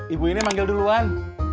ibu ini manggil duluan